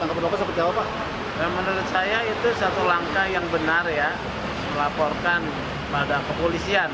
menurut saya itu satu langkah yang benar ya melaporkan pada kepolisian